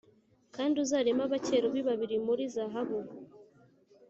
Kandi uzareme abakerubi babiri muri zahabu